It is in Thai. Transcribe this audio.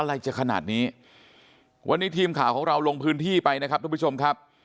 อะไรจะขนาดนี้วันนี้ทีมข่าวของเราลงพื้นที่ไปนะครับทุกผู้ชมครับ